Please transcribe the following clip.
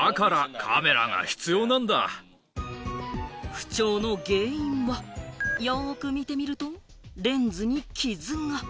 不調の原因は、よく見てみると、レンズに傷が。